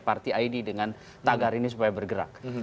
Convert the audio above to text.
party id dengan tagar ini supaya bergerak